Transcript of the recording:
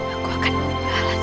aku akan menghalas